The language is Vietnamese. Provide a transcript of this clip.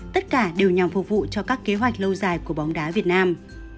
tất cả đều nhằm phục vụ cho các kế hoạch lâu dài của bóng đá việt nam